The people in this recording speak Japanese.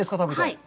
はい。